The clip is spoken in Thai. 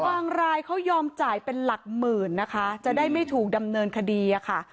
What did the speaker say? รายเขายอมจ่ายเป็นหลักหมื่นนะคะจะได้ไม่ถูกดำเนินคดีอะค่ะ